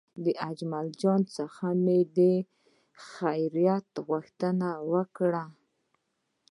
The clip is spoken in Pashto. له اجمل جان څخه مې د خیریت پوښتنه وکړه.